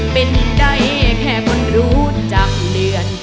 เป็นได้แค่คนรู้จักเหลือน